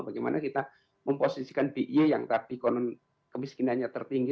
bagaimana kita memposisikan bi yang tadi konon kemiskinannya tertinggi